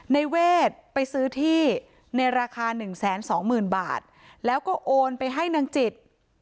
ในเวทไปซื้อที่ในราคาหนึ่งแสนสองหมื่นบาทแล้วก็โอนไปให้นางจิต